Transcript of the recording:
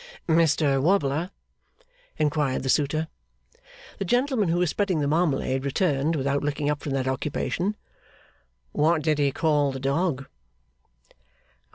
'Mr Wobbler?' inquired the suitor. The gentleman who was spreading the marmalade returned, without looking up from that occupation, 'What did he call the Dog?